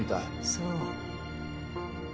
そう。